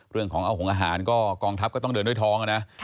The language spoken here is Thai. เรื่องของเอาหงอาหารก็กองทัพก็ต้องเดินด้วยท้องนะ